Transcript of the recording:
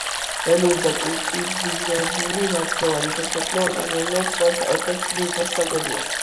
ველური და კულტივირებული მარცვლოვანნი სასოფლო-სამეურნეო ცხოველთა ერთ-ერთი ძირითადი საკვებია.